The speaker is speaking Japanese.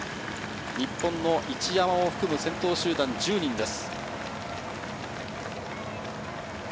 日本の一山も含む先頭集団１０人です。